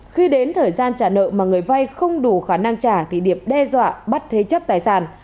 khi đến thời gian trả nợ mà người vay không đủ khả năng trả thì điệp đe dọa bắt thế chấp tài sản